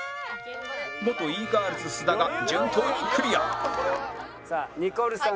元 Ｅ−ｇｉｒｌｓ 須田が順当にクリアさあニコルさん。